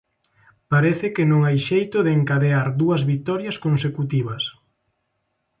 Parece que non hai xeito de encadear dúas vitorias consecutivas.